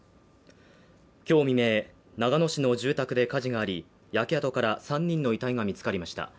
今日未明、長野市の住宅で火事があり焼け跡から３人の遺体が見つかりました。